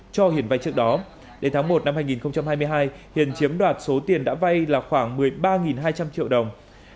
cho hiền vay trước đó đến tháng một năm hai nghìn hai mươi hai hiền chiếm đoạt số tiền đã vay là khoảng một mươi ba hai trăm linh triệu đồng